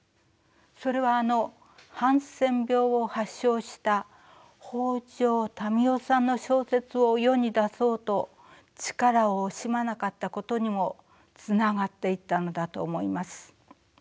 それはあのハンセン病を発症した北条民雄さんの小説を世に出そうと力を惜しまなかったことにもつながっていったのだと思います。